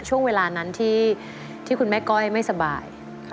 ช่วงเวลานั้นที่คุณแม่ก้อยไม่สบาย